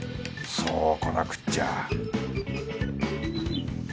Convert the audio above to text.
そうこなくっちゃ